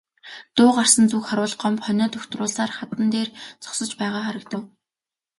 Дуу гарсан зүг харвал Гомбо хонио дугтруулсаар хадан дээр зогсож байгаа харагдав.